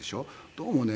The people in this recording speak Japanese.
どうもね